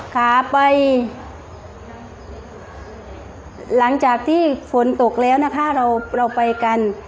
ขาไปหลังจากที่ฝนตกแล้วนะคะเราเราไปกัน